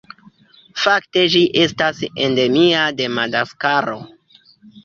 Fakte ĝi estas endemia de Madagaskaro.